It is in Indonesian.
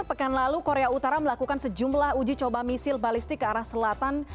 pekan lalu korea utara melakukan sejumlah uji coba misil balistik ke arah selatan